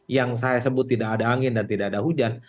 yang saya sebut tidak ada angin dan tidak ada hujan